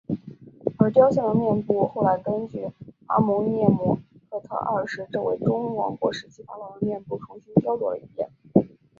而雕像的面部后来根据阿蒙涅姆赫特二世这位中王国时期法老的面部重新雕琢了一遍。